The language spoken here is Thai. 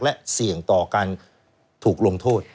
และเสี่ยงต่อการถูกลงโทษ